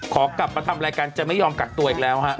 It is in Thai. ขอกลับมาทำรายการจะไม่ยอมกักตัวอีกแล้วฮะ